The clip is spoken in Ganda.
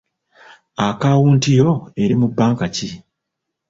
Akaawunti yo eri mu banka ki?